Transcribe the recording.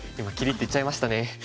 今切りって言っちゃいましたね。